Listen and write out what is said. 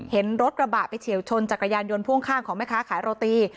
เห็นรถกระบะไปเฉียวชนจักรยานยนต์พ่วงข้างของแม่ค้าขายโรตี